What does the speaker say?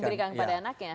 diberikan kepada anaknya